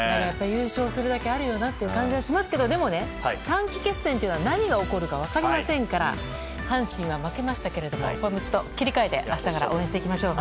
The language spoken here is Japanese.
優勝するだけあるよなって感じはしますけどでも短期決戦というのは何が起きるか分かりませんから阪神は負けましたが切り替えて、明日から応援していきましょう。